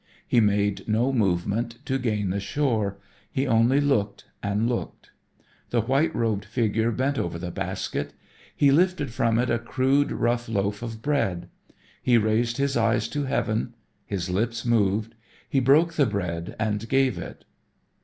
He made no movement to gain the shore. He only looked and looked. The white robed figure bent over the basket. He lifted from it a crude rough loaf of bread. He raised his eyes to heaven, his lips moved. He broke the bread and gave it.